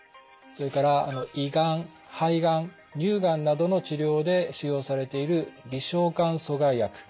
それから胃がん肺がん乳がんなどの治療で使用されている微小管阻害薬。